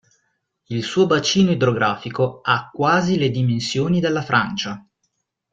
Il suo bacino idrografico ha quasi le dimensioni della Francia.